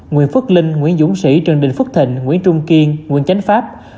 nguyễn phước linh nguyễn dũng sĩ trần đình phước thịnh nguyễn trung kiên nguyễn chánh pháp